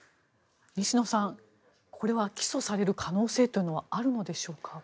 西野さんこれは起訴される可能性というのはあるのでしょうか？